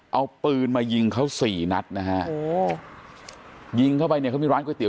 เอาปืนมายิงเขาสี่นัดนะฮะโอ้โหยิงเข้าไปเนี่ยเขามีร้านก๋วเตี๋